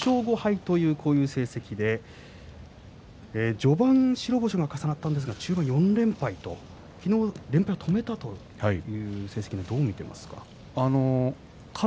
ここまで５勝５敗という成績で序盤白星が重なったんですが終盤４連敗と昨日連敗を止めたという成績どう見ていますか。